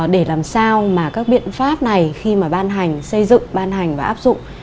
để làm sao các biện pháp này khi ban hành xây dựng ban hành và áp dụng